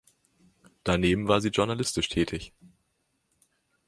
Daneben war sie journalistisch tätig.